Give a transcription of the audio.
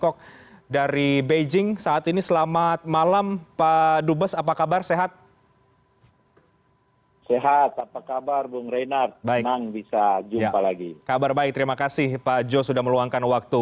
kabar baik terima kasih pak jos sudah meluangkan waktu